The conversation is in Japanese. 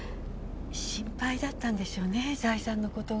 心配だったんでしょうね財産の事が。